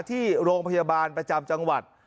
ที่โรงพยาบาลประจำจังหวัด